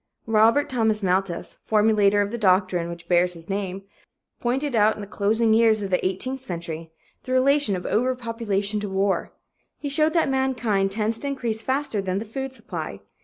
Robert Thomas Malthus, formulator of the doctrine which bears his name, pointed out, in the closing years of the eighteenth century, the relation of overpopulation to war. He showed that mankind tends to increase faster than the food supply.